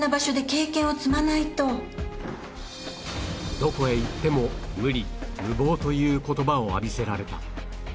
どこへ行っても無理無謀という言葉を浴びせられた